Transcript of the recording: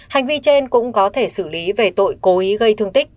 hành vi trên cũng có thể xử lý về tội cố ý gây thương tích